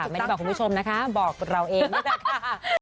ไม่ได้บอกคุณผู้ชมนะคะบอกเราเองแล้วกันค่ะ